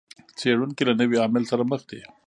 څېړونکي له نوي عامل سره مخ دي.